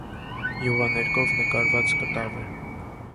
Յուղաներկով նկարված կտավ է։